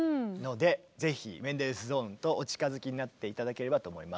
ぜひメンデルスゾーンとお近づきになって頂ければと思います。